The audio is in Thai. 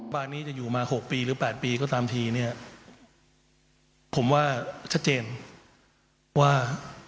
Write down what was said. บ้านนี้จะอยู่มา๖ปีหรือ๘ปีก็ตามทีเนี่ยผมว่าชัดเจนว่า